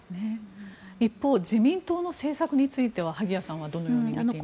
一方自民党の政策については萩谷さんはどのように見ていますか。